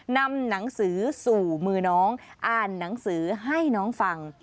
นำหนังสือสู่มือน้องอ่านหนังสือให้น้องฟัง